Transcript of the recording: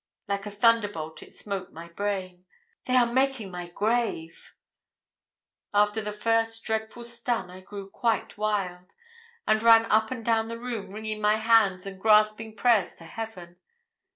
Like a thunderbolt it smote my brain. 'They are making my grave!' After the first dreadful stun I grew quite wild, and ran up and down the room wringing my hands and gasping prayers to heaven.